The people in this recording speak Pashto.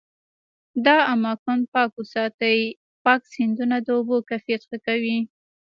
دا اماکن پاک وساتي، پاک سیندونه د اوبو کیفیت ښه کوي.